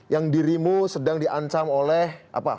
yang dirimu sedang diancam oleh apa